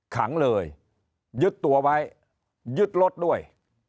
ขังเลยยึดตัวไว้ยึดรถด้วย